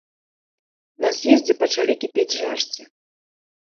На з'ездзе пачалі кіпець жарсці.